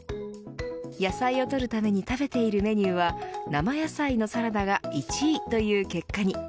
野菜を取るために食べているメニューは生野菜のサラダが１位という結果に。